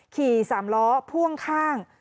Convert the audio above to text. ขี่สามล้อพ่วงข้าง